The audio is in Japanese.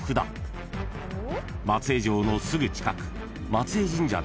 ［松江城のすぐ近く松江神社で］